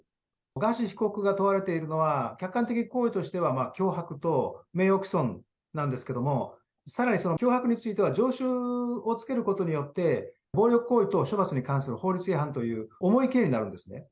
ガーシー被告が問われているのは、客観的根拠としては脅迫と名誉毀損なんですけども、さらにその脅迫については、常習を付けることによって暴力行為と処罰に関する法律違反という、重い刑になるんですね。